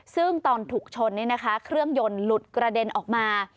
ซึ่งตอนถูกชนเครื่องยนต์หลุดกระเด็นออกมา